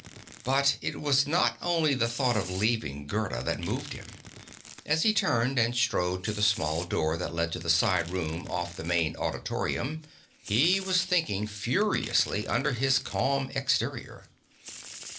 But it was not only the thought of leaving Gerda that moved him. As he turned and strode to the small door that led to the side room off the main auditorium, he was thinking furiously under his calm exterior.